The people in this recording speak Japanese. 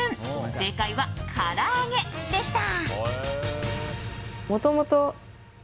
正解は、から揚げでした。